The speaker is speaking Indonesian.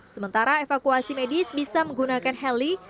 sementara evakuasi medis bisa menggunakan heli